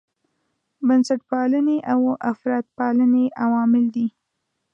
بنسټپالنې او افراطپالنې عوامل دي.